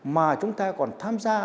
mà chúng ta còn tham gia